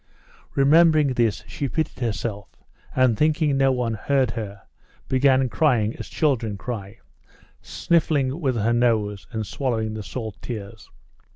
Remembering this, she pitied herself, and, thinking no one heard her, began crying as children cry, sniffing with her nose and swallowing the salt tears.